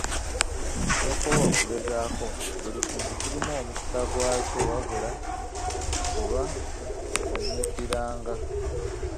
Tokoowa kugezaako, buli kintu kirimu omukisa gwakyo wabula fuba kunyiikiranga.